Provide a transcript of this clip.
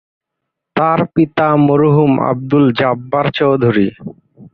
তার পিতা মরহুম আব্দুল জব্বার চৌধুরী।